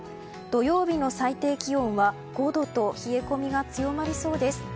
土曜日の最低気温は５度と冷え込みが強まりそうです。